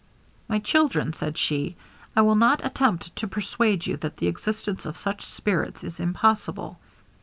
'My children,' said she, 'I will not attempt to persuade you that the existence of such spirits is impossible.